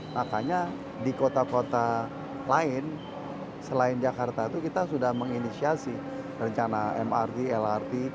makanya di kota kota lain selain jakarta itu kita sudah menginisiasi rencana mrt lrt